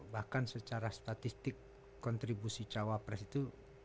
bahkan secara statistik kontribusi cawa pres itu